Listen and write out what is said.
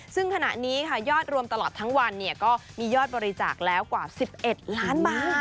ซึ่งขณะนี้ค่ะยอดรวมตลอดทั้งวันก็มียอดบริจาคแล้วกว่า๑๑ล้านบาท